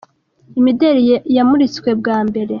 Imideli ya yamuritswe bwa mbere.